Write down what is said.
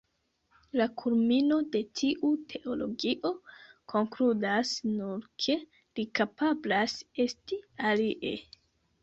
La kulmino de tiu teologio konkludas nur ke “Li kapablas esti alie”.